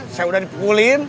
saya udah dipukulin